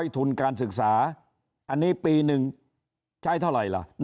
ทุนการศึกษาอันนี้ปีหนึ่งใช้เท่าไหร่ล่ะ